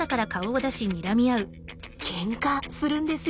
ケンカするんですよ